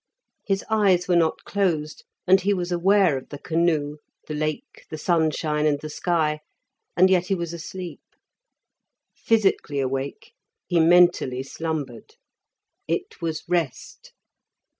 His eyes were not closed, and he was aware of the canoe, the Lake, the sunshine, and the sky, and yet he was asleep. Physically awake, he mentally slumbered. It was rest.